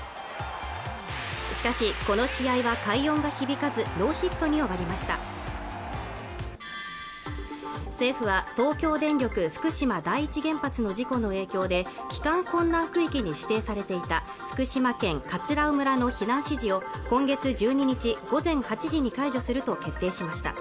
しかしこの試合は快音が響かずノーヒットに終わりました政府は東京電力福島第１原発の事故の影響で帰還困難区域に指定されていた福島県葛尾村の避難指示を今月１２日午前８時に解除すると決定しました